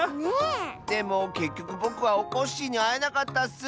でもけっきょくぼくはおこっしぃにあえなかったッス！